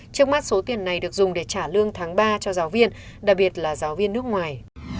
trước mắt số tiền này được dùng để trả lương tháng ba cho giáo viên đặc biệt là giáo viên nước ngoài